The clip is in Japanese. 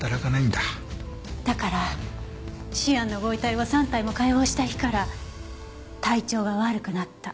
だからシアンのご遺体を３体も解剖した日から体調が悪くなった。